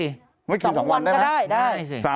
ไม่กิน๒วันได้ไหมไม่กิน๒วันก็ได้ได้สิ